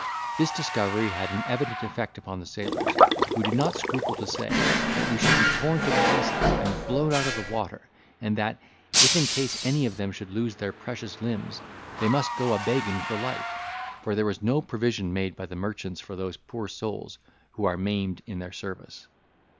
This discovery had an evident effect upon the sailors, who did not scruple to say, that we should be torn to pieces, and blown out of the water, and that, if in case any of them should lose their precious limbs, they must go a begging for life, for there was no provision made by the merchants for those poor souls who are maimed in their service.